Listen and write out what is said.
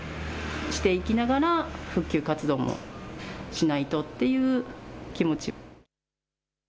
していきながら復旧活動もしないとっていう気持ち。